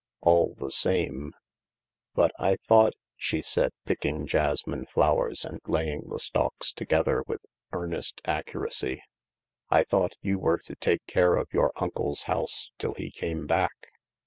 All the same ..." But I thought," she said, picking jasmine flowers and laying the stalks together with earnest accuracy, " I thought you were to take care of your uncle's house till he came back